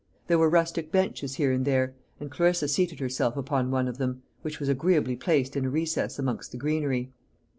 There were rustic benches here and there: and Clarissa seated herself upon one of them, which was agreeably placed in a recess amongst the greenery.